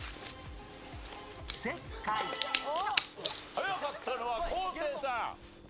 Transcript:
早かったのは昴生さん。